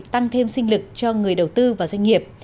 tăng thêm sinh lực cho người đầu tư và doanh nghiệp